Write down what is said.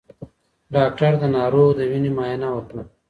ډاکټر د ناروغ د وینې معاینه وکړه.